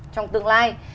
trong tương lai